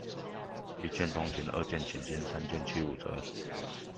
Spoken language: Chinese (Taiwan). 一見鐘情，二見傾心，三件七五折